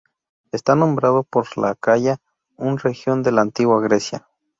Está nombrado por la Acaya, un región de la antigua Grecia.